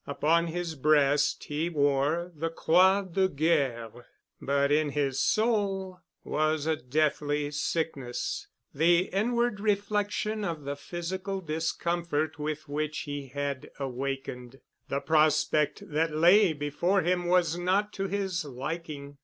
Upon his breast he wore the Croix de Guerre, but in his soul was a deathly sickness, the inward reflection of the physical discomfort with which he had awakened. The prospect that lay before him was not to his liking.